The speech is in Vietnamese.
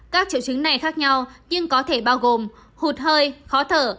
các triệu chứng này khác nhau nhưng có thể bao gồm hụt hơi khó thở